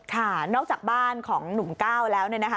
ค่ะนอกจากบ้านของหนุ่มก้าวแล้วเนี่ยนะคะ